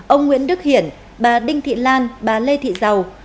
ông nguyễn đức hiển bà đinh thị lan bà lê thị giàu